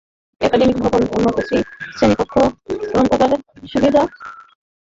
Academic ভবন, উন্নত শ্রেণীকক্ষ, গ্রন্থাগার সুবিধা, নিজস্ব পরিবহন ব্যবস্থা ইত্যাদি আছে।